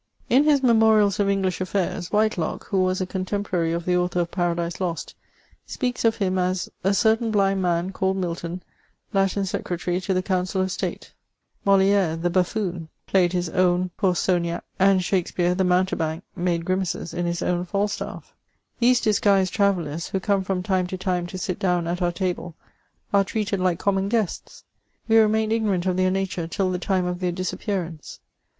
In his "Memorials of English Affairs," Whitelock, who was a contemporary of the author of " Paradise Lost," speaks of him as " a certain blind man, called Milton, Latin Secretary to the Council of State." Moli^re, the buffoon, played his 422 MEMoms OF own " PouTceaugnac ;" and Shakspeare, the mouniebanky made grimaces in his own '^ Falstaff." These disguised trayellers, who come from time to time to sit down at our tahle, are treated like common guests; we remain ignorant of their nature till the time of their disappear ance.